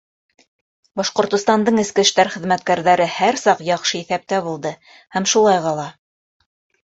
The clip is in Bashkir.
— Башҡортостандың эске эштәр хеҙмәткәрҙәре һәр саҡ яҡшы иҫәптә булды һәм шулай ҡала.